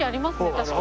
確かに。